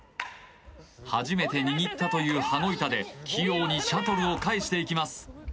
初めて握ったという羽子板で器用にシャトルを返していきます